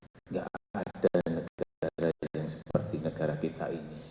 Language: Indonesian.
tidak ada negara yang seperti negara kita ini